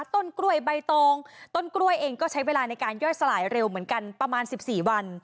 ต้นกล้วยใบตองต้นกล้วยเองก็ใช้เวลาในการย่อยสลายเร็วเหมือนกันประมาณ๑๔วัน